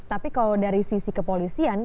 tapi kalau dari sisi kepolisian